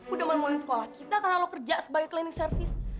udah memulai sekolah kita karena kamu kerja sebagai klinik servis